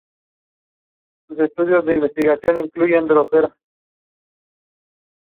Dogs that work with livestock are in the Pastoral Group.